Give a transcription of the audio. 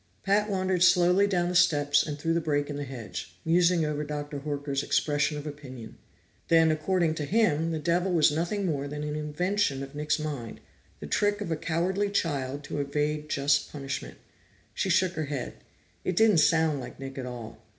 Pat wandered slowly down the steps and through the break in the hedge, musing over Doctor Horker's expression of opinion. Then, according to him, the devil was nothing more than an invention of Nick's mind, the trick of a cowardly child to evade just punishment. She shook her head; it didn't sound like Nick at all.